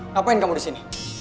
ngapain kamu disini